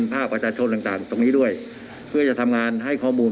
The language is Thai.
ภาคประชาชนต่างตรงนี้ด้วยเพื่อจะทำงานให้ข้อมูล